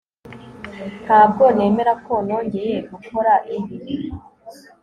Ntabwo nemera ko nongeye gukora ibi